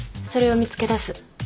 それを見つけ出す。